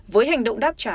với hành động đáp trả lời